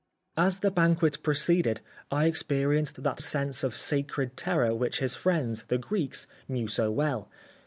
As the banquet proceeded, I experienced that sense of sacred terror which his friends, the Greeks, knew so well.